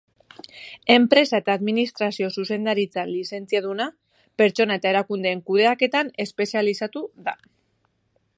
Enpresa eta administrazio zuzendaritzan lizentziaduna, pertsona eta erakundeen kudeaketan espezializatu da.